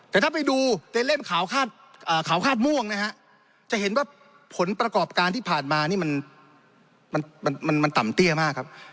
แต่ถ้าไปดูในเล่มขาวคาดม่วงนะฮะจะเห็นว่าผลประกอบการที่ผ่านมานี่มันต่ำเตี้ยมากครับ